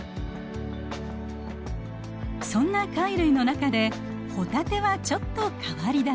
そんな貝類の中でホタテはちょっと変わり種。